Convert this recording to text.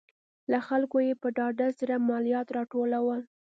له خلکو یې په ډاډه زړه مالیات راټولول